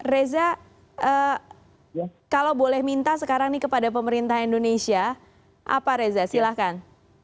reza kalau boleh minta sekarang nih kepada pemerintah indonesia apa reza silahkan